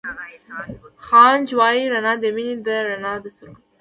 خانج وائي رڼا َد مينې ده رڼا َد سترګو